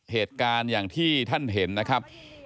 เหตุการณ์อย่างที่ท่านเห็นนะครับ